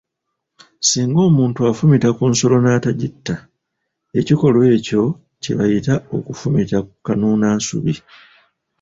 Singa omuntu afumita ku nsolo n’atagitta, ekikolwa ekyo kye bayita okufumita kanuunansubi.